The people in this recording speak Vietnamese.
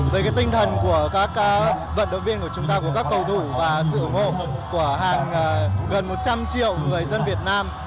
về tinh thần của các vận động viên của chúng ta của các cầu thủ và sự ủng hộ của hàng gần một trăm linh triệu người dân việt nam